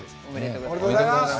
おめでとうございます。